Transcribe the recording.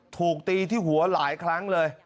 ถูกตีที่หัวหลายครั้งเลย